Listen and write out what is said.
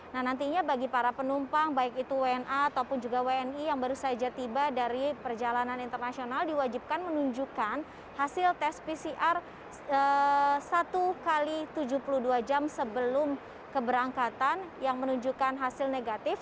nah nantinya bagi para penumpang baik itu wna ataupun juga wni yang baru saja tiba dari perjalanan internasional diwajibkan menunjukkan hasil tes pcr satu x tujuh puluh dua jam sebelum keberangkatan yang menunjukkan hasil negatif